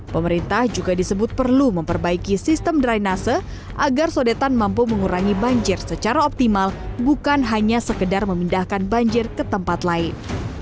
pemerintah juga disebut perlu memperbaiki sistem drainase agar sodetan mampu mengurangi banjir secara optimal bukan hanya sekedar memindahkan banjir ke tempat lain